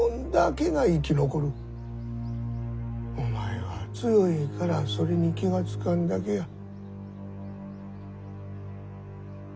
お前は強いからそれに気が付かんだけや。